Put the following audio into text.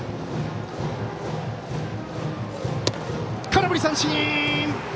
空振り三振！